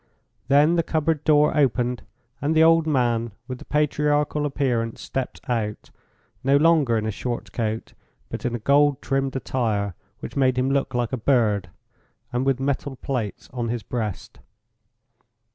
Then the cupboard door opened and the old man with the patriarchal appearance stepped out, no longer in a short coat but in a gold trimmed attire, which made him look like a bird, and with metal plates on his breast.